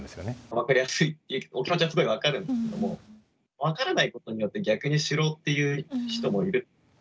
分かりやすいっていうお気持ちはすごい分かるんですけども分からないことによって逆に知ろうっていう人もいるっていう。